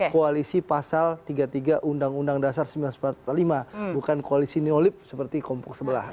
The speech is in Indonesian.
koalisi pasal tiga puluh tiga undang undang dasar seribu sembilan ratus empat puluh lima bukan koalisi neolib seperti kompok sebelah